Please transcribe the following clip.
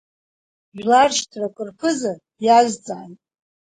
Жәларшьҭрак рԥыза диазҵааит…